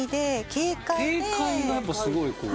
「軽快」がやっぱすごいこう。